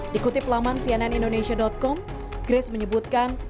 dikutip laman cnn indonesia com grace menyebutkan